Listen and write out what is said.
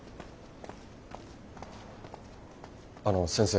あの先生。